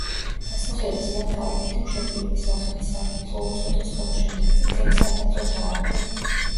დასახლებას მათ თავიანთი მშობლიური სახელი, საბათლო უწოდეს, ხოლო შემდეგ წითელი საბათლო დაარქვეს.